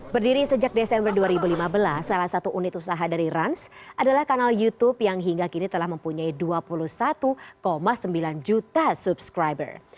berdiri sejak desember dua ribu lima belas salah satu unit usaha dari rans adalah kanal youtube yang hingga kini telah mempunyai dua puluh satu sembilan juta subscriber